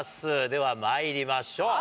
ではまいりましょう。